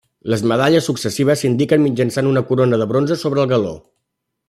Les medalles successives s'indiquen mitjançant una corona de bronze sobre el galó.